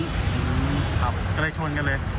ครับก็เลยชนกันเลย